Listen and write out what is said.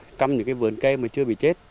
trong những vườn cây chưa bị chết